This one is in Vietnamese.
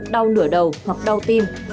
đau nửa đầu hoặc đau tim